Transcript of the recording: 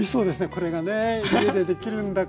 これがね家でできるんだから。